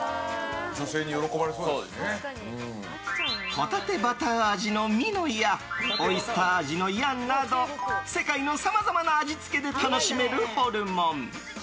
ホタテバター味のミノやオイスター味のヤンなど世界のさまざまな味付けで楽しめるホルモン。